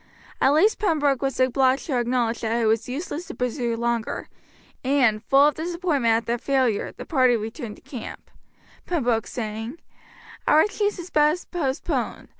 At last Pembroke was obliged to acknowledge that it was useless to pursue longer, and, full of disappointment at their failure, the party returned to camp, Pembroke saying: "Our chase is but postponed.